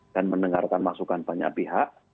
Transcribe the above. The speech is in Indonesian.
dan mendengarkan masukan banyak pihak